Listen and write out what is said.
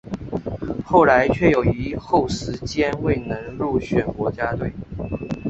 后来却有一后时间未能入选国家队。